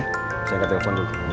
saya angkat telepon dulu